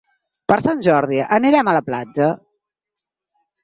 Per Sant Jordi anirem a la platja.